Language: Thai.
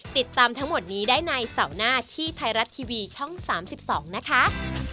ติดตามทั้งหมดนี้ได้ในเสาร์หน้าที่ไทยรัฐทีวีช่อง๓๒นะคะ